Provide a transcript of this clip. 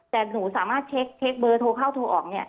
แต่หนูสามารถเช็คเบอร์โทรเข้าโทรออกเนี่ย